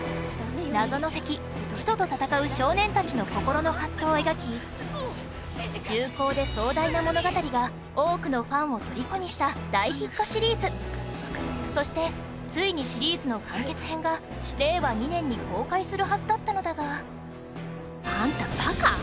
謎の敵、使徒と戦う少年たちの心の葛藤を描き重厚で壮大な物語が多くのファンを虜にした大ヒットシリーズそして、ついにシリーズの完結編が令和２年に公開するはずだったのだがあんた、バカぁ？